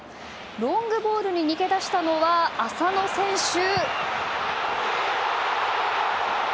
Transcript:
ロングボールに抜け出したのは浅野選手。